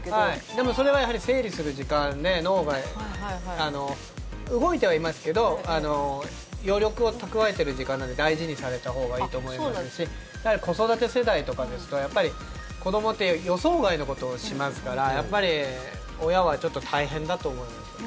でもそれはやはり整理する時間で脳が動いてはいますけど余力を蓄えている時間なので大事にされたほうがいいと思いますしやはり子育て世代とかですと子どもって予想外のことをしますからやっぱり親はちょっと大変だと思います。